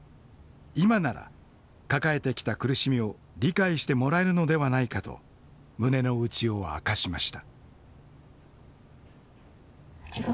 今なら抱えてきた苦しみを理解してもらえるのではないかと胸の内を明かしました。